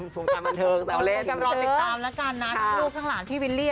โพสต์แต่ละลูกไม่ถามใจลูกบ้างเลย